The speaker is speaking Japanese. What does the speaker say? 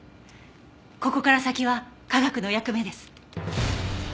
ここから先は科学の役目です。